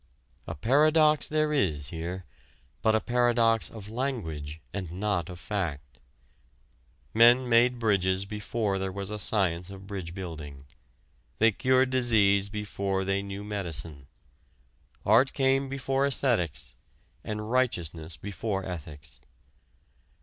A paradox there is here, but a paradox of language, and not of fact. Men made bridges before there was a science of bridge building; they cured disease before they knew medicine. Art came before æsthetics, and righteousness before ethics.